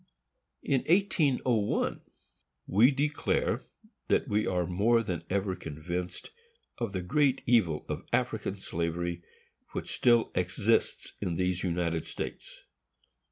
In 1801: We declare that we are more than ever convinced of the great evil of African slavery, which still exists in these United States.